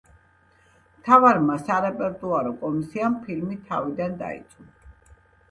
მთავარმა სარეპერტუარო კომისიამ ფილმი თავიდან დაიწუნა.